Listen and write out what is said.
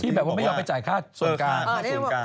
พี่แบบว่าไม่ยอมไปจ่ายค่าส่วนการณ์